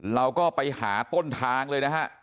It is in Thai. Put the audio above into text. เราก็ไปหาต้นทางเลยนะฮะ